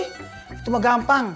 itu mah gampang